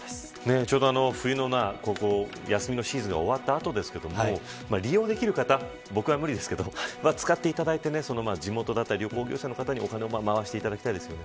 ちょうど冬の休みのシーズンが終わった後ですけれども利用できる方は僕は無理ですけど使っていただいて地元だったり旅行業者の方にお金を回していただきたいですね。